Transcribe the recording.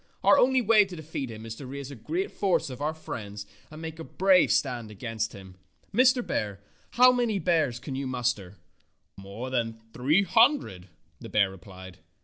Our only way to defeat him is to raise a great force of our friends and make a brave stand against him. Mr. Bear, how many bears can you muster?" "More than three hundred," the bear replied.